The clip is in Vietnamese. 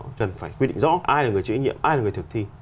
chúng ta cần phải quy định rõ ai là người chủ yếu ai là người thực thi